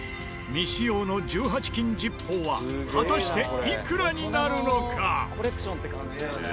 未使用の１８金ジッポーは果たしていくらになるのか？